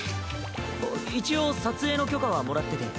一応撮影の許可はもらってて。